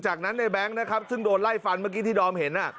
จากนั้นในแบงค์นะครับซึ่งโดนไล่ฟันเมื่อกี้ที่ดอมเห็น